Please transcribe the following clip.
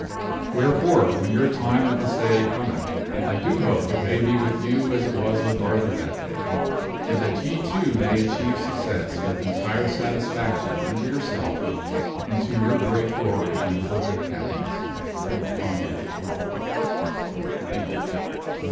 Where fore when your time of assay cometh, I do hope it may be with you as it was with Arthur that day, and that ye too may achieve success with entire satisfaction unto yourself and to your great glory and perfect happiness. Amen.